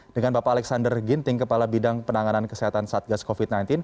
dengan bapak alexander ginting kepala bidang penanganan kesehatan satgas covid sembilan belas